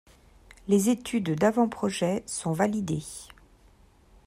Les études d´Avant Projet sont validées.